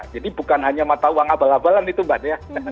jadi bukan hanya mata uang abal abalan itu mbak dea